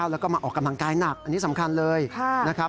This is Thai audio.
แล้วก็มาออกกำลังกายหนักอันนี้สำคัญเลยนะครับ